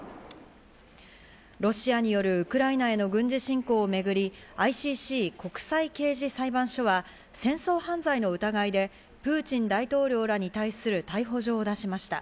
ロシアによるウクライナへの軍事侵攻をめぐり、ＩＣＣ＝国際刑事裁判所は戦争犯罪の疑いでプーチン大統領らに対する逮捕状を出しました。